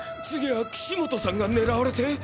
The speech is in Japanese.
次は岸本さんが狙われて。